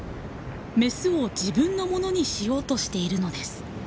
メスを自分のものにしようとしているのです。